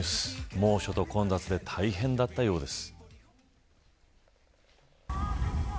猛暑と混雑で大変だったようです。